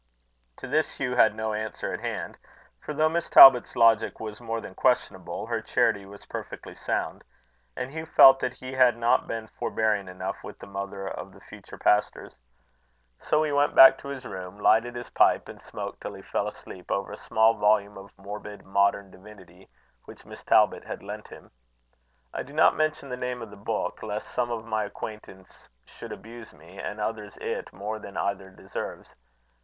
To this Hugh had no answer at hand; for though Miss Talbot's logic was more than questionable, her charity was perfectly sound; and Hugh felt that he had not been forbearing enough with the mother of the future pastors. So he went back to his room, lighted his pipe, and smoked till he fell asleep over a small volume of morbid modern divinity, which Miss Talbot had lent him. I do not mention the name of the book, lest some of my acquaintance should abuse me, and others it, more than either deserves.